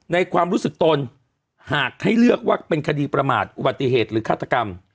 ความรู้สึกตนหากให้เลือกว่าเป็นคดีประมาทอุบัติเหตุหรือฆาตกรรม